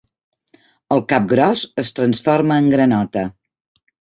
El capgròs es transforma en granota.